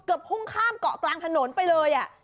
เกือบพุ่งข้ามเกาะกลางถนนไปเลยอ่ะ